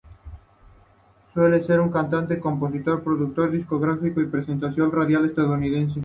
Sure!, es un cantante, compositor, productor discográfico y presentador radial estadounidense.